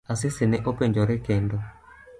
Asisi ne openjore kendo.